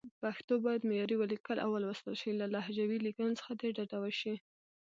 پښتو باید معیاري ولیکل او ولوستل شي، له لهجوي لیکنو څخه دې ډډه وشي.